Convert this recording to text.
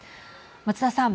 松田さん。